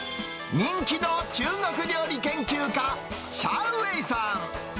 人気の中国料理研究家、シャウ・ウェイさん。